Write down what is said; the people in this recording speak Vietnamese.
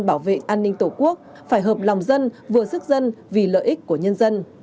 bảo vệ an ninh tổ quốc phải hợp lòng dân vừa sức dân vì lợi ích của nhân dân